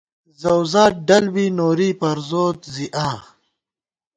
زَؤزات ڈل بی نوری پروزوت ، زی آں